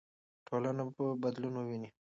ټولنه به بدلون وویني.